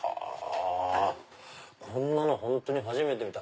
こんなの本当に初めて見た。